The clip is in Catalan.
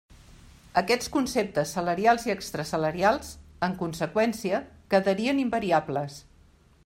Aquests conceptes salarials i extrasalarials, en conseqüència, quedarien invariables.